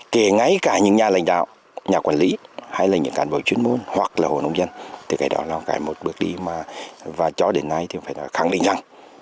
kể ngay cả những nhà lãnh đạo nhà quản lý hay là những cán bộ chuyên môn hoặc là hồ nông dân thì cái đó là một cái một bước đi mà cho đến nay thì phải khẳng định rằng